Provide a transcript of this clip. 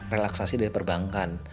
relaksasi dari perbankan